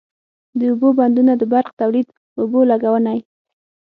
د اوبو بندونه د برق تولید، اوبو لګونی،